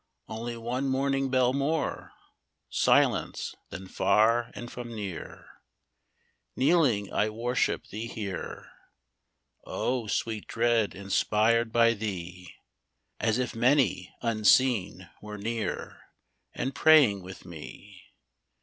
Only one morning bell more, Silence then far and from near. Kneeling, I worship Thee here. Oh, sweet dread inspired by Thee ! As if many, unseen, were near, And praying with me.